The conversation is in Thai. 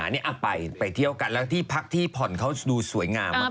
อันนี้ไปเพื่อนไปเที่ยวกันแล้วพักที่ผ่อนเขาดูสวยงามมาก